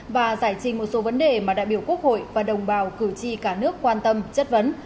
và giải trình một số vấn đề mà đại biểu quốc hội và đồng bào cử tri cả nước quan tâm chất vấn